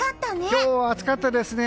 今日は暑かったですね。